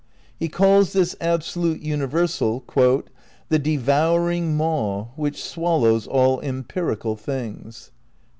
He calls this absolute universal "the devouring maw which swallows all empirical things."